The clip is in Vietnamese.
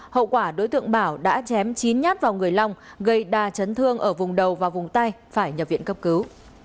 hậu quả đối tượng bảo đã chém chín nhát vào người long gây đa chấn thương ở vùng đầu và vùng tay phải nhập viện cấp cứu